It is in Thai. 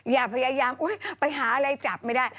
อย่าพยายามไปหาอะไรจับไม่ได้